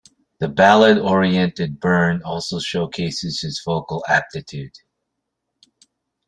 The ballad-oriented "Burn" also showcases his vocal aptitude.